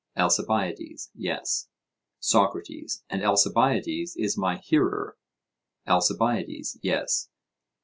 ALCIBIADES: Yes. SOCRATES: And Alcibiades is my hearer? ALCIBIADES: Yes.